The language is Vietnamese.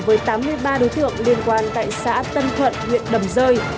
với tám mươi ba đối tượng liên quan tại xã tân thuận huyện đầm rơi